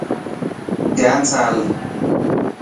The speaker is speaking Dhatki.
ڌيان سان هل.